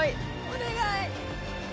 お願い！